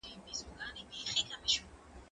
زه به اوږده موده سبزیجات وچولي وم